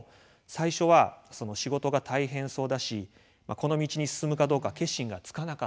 最初は仕事が大変そうだしこの道に進むかどうか決心がつかなかったそうなんです。